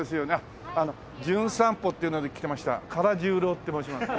『じゅん散歩』っていうので来てました唐十郎って申します。